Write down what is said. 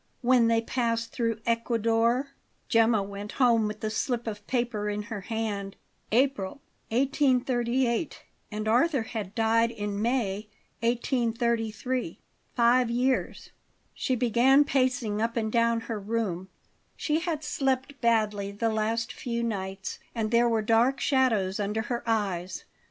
When they passed through Ecuador Gemma went home with the slip of paper in her hand. April, 1838 and Arthur had died in May, 1833. Five years She began pacing up and down her room. She had slept badly the last few nights, and there were dark shadows under her eyes.